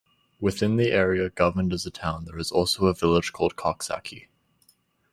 Within the area governed as a town, there is also a village called Coxsackie.